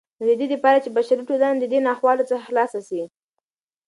نو ددې دپاره چې بشري ټولنه ددې ناخوالو څخه خلاصه سي